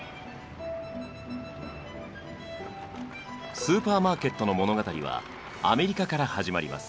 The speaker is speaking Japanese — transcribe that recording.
スーパーマーケットの物語はアメリカから始まります。